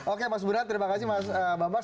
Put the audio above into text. oke mas burhan terima kasih mas bambang